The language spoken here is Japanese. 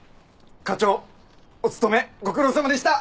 課長お務めご苦労さまでした！